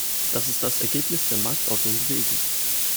Das ist das Ergebnis der Marktordnung gewesen.